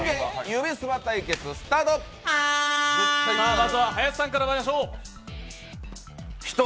まずは林さんからまいりましょう。